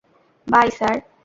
By, sir.